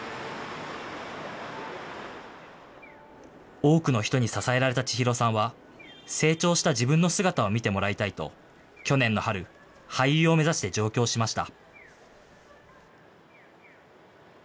多くの人に支えられた千裕さんは、成長した自分の姿を見てもらいたいと、去年の春、俳優を目指して上京しました。